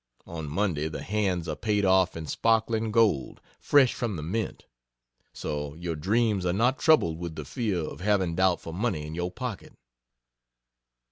On Monday the hands are paid off in sparkling gold, fresh from the Mint; so your dreams are not troubled with the fear of having doubtful money in your pocket.